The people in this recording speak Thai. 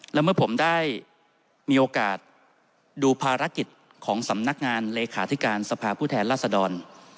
และเมื่อผมได้มีโอกาสดูภารกิจของสำนักงานเลขาธิการสภาพผู้แทนราษดร